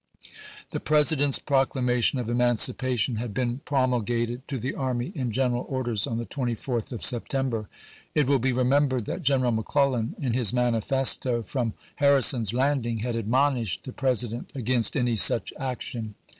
The President's Proclamation of Emancipation had been promulgated to the army in general orders on the 24th of September. It will be remembered 1862. that General McClellan, in his manifesto from Har rison's Landing, had admonished the President against any such action.